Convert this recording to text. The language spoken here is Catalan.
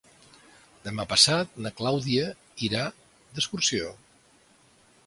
Demà passat na Clàudia irà d'excursió.